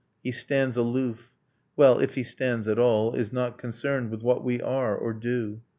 He stands aloof Well, if he stands at all: is not concerned With what we are or do.